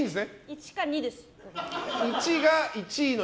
１か２で。